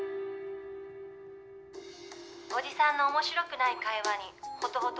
「おじさんの面白くない会話にほとほと